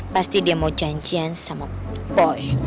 pasti dia mau janjian sama boy